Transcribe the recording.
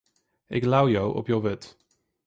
Ik leau jo op jo wurd.